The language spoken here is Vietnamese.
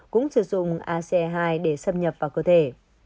cũng sử dụng ac hai để xâm nhập vào cơ thể